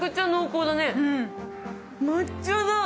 抹茶だ。